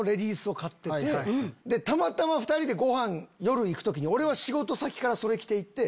たまたま２人でごはん夜行く時に俺は仕事先からそれ着て行って。